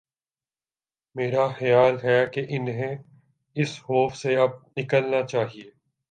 میرا خیال ہے کہ انہیں اس خوف سے اب نکلنا چاہیے۔